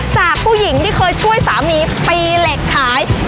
จากผู้หญิงที่เคยช่วยสามีตีเหล็กขายกลายมาเป็นขาย